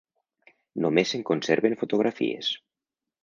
Només se'n conserven fotografies.